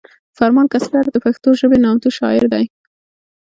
فرمان کسکر د پښتو ژبې نامتو شاعر دی